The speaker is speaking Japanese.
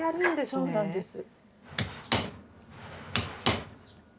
そうなんです。